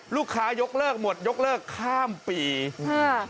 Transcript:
ลูกค้ายกเลิกหมดยกเลิกข้ามปีฮะ